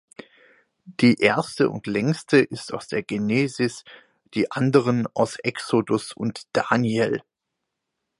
Die erste und längste ist aus der Genesis, die anderen aus Exodus und Daniel.